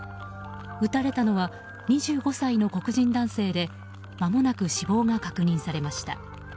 撃たれたのは２５歳の黒人男性でまもなく死亡が確認されました。